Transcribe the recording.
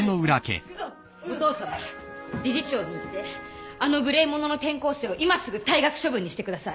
お父さま理事長に言ってあの無礼者の転校生を今すぐ退学処分にしてください。